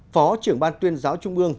phó trưởng ban tuyên giáo trung ương